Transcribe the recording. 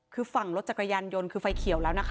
คือฝั่งรถจักรยานยนต์คือไฟเขียวแล้วนะคะ